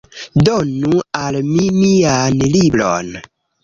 Donu al mi mian libron!